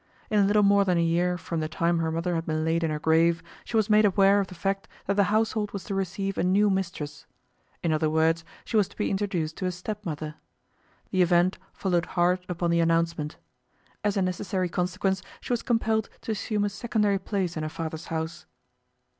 In little more than a year from the time her mother had been laid in her grave, she was made aware of the fact that the household was to receive a new mistress. In other words, she was to be introduced to a stepmother. The event followed hard upon the announcement. As a necessary consequence she was compelled to assume a secondary place in her father's house.